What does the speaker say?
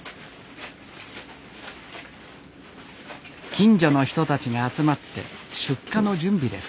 近所の人たちが集まって出荷の準備です。